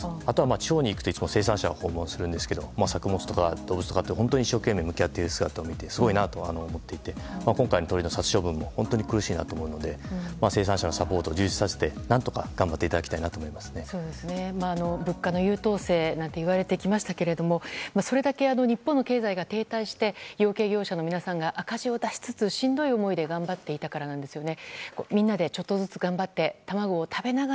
地方に行くと生産者を訪問するんですけど作物とかに一生懸命向き合っている姿を見てすごいなと思っていて今回の鶏の殺処分も本当に苦しいなと思いますので生産者のサポートを充実させて何とか物価の優等生なんて言われていましたけど日本の経済が停滞して養鶏業者の皆さんが赤字を出しつつしんどい思いで頑張っていたからなんですよね。